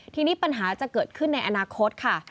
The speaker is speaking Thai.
ทีนี้ปัญหาจะเกิดขึ้นในอนาคตค่ะ